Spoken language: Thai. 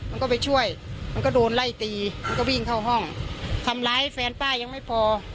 มันก็ไปช่วยมันก็โดนไล่ตีมันก็วิ่งเข้าห้องทำร้ายแฟนป้ายังไม่พอ